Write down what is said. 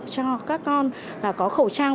cho các con là có khẩu trang